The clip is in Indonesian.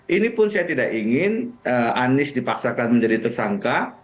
ini pun saya tidak ingin anies dipaksakan menjadi tersangka